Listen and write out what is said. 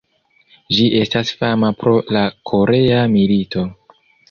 Ĝi estas fama pro la korea milito.